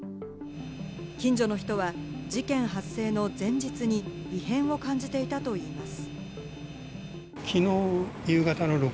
近所の人は事件発生の前日に異変を感じていたといいます。